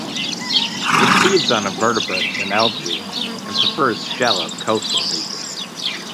It feeds on invertebrates and algae, and prefers shallow coastal regions.